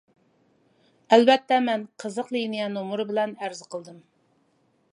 ئەلۋەتتە مەن قىزىق لىنىيە نومۇرى بىلەن ئەرز قىلدىم.